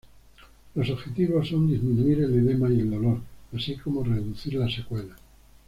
Los objetivos son disminuir el edema y el dolor, así como reducir las secuelas.